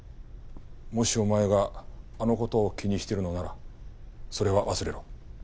もしお前があの事を気にしているのならそれは忘れろ。